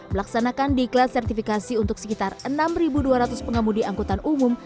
melaksanakan diklat sertifikasi untuk sekitar enam dua ratus pengemudi angkutan umum